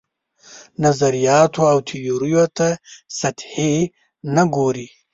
نظریاتو او تیوریو ته سطحي نه ګوري.